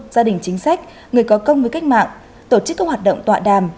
gia đình chính sách người có công với cách mạng tổ chức các hoạt động tọa đàm